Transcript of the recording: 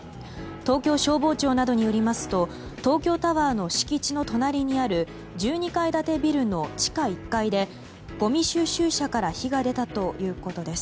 東京消防庁などによりますと東京タワーの敷地の隣にある１２階建てビルの地下１階でごみ収集車から火が出たということです。